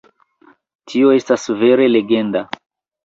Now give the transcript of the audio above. Tio estas vere legenda!